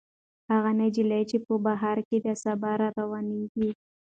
هغه نجلۍ چې په بهر کې ده، سبا راروانېږي.